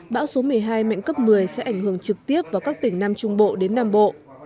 bão số một mươi hai mạnh cấp một mươi sẽ ảnh hưởng trực tiếp vào các tỉnh nam trung bộ đến nam bộ